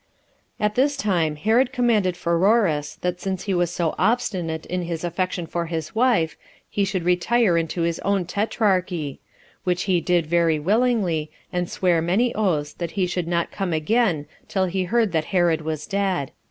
3. At this time Herod commanded Pheroras, that since he was so obstinate in his affection for his wife, he should retire into his own tetrarchy; which he did very willingly, and sware many oaths that he would not come again till he heard that Herod was dead.